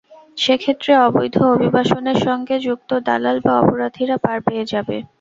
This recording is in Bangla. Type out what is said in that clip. সে ক্ষেত্রে অবৈধ অভিবাসনের সঙ্গে যুক্ত দালাল বা অপরাধীরা পার পেয়ে যাবে।